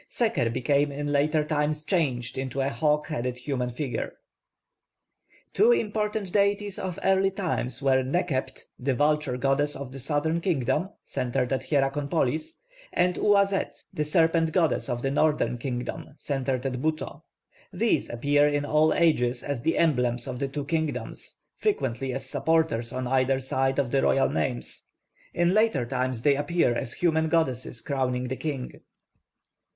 Seker became in late times changed into a hawk headed human figure. Two important deities of early times were +Nekhebt+, the vulture goddess of the southern kingdom, centred at Hierakonpolis, and +Uazet+, the serpent goddess of the northern kingdom, centred at Buto. These appear in all ages as the emblems of the two kingdoms, frequently as supporters on either side of the royal names; in later times they appear as human goddesses crowning the king.